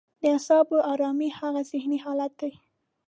د اعصابو ارامي هغه ذهني حالت دی.